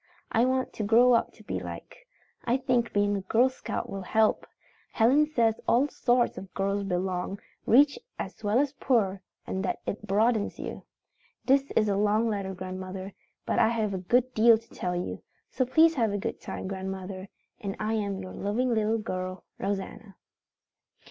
I want to grow up to be liked. I think being a Girl Scout will help. Helen says all sorts of girls belong, rich as well as poor, and that it broadens you. "This is a long letter, grandmother, but I had a good deal to tell you. So please have a good time, grandmother, and I am your loving little girl "ROSANNA."